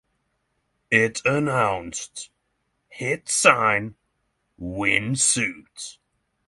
It announced, Hit Sign, Win Suit.